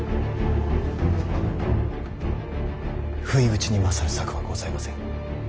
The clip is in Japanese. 不意打ちに勝る策はございません。